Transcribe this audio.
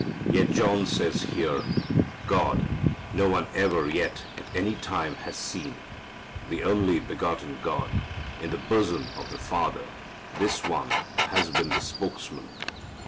Yet John says here, "God no one ever yet at any time has seen; the only begotten God, in the bosom of the Father this One has been the spokesman."